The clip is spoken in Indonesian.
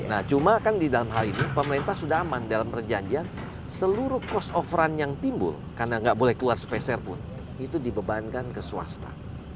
nah cuma kan di dalam hal ini pemerintah sudah aman dalam perjanjian seluruh cost of run yang timbul karena nggak boleh keluar speser pun itu dibebankan ke swasta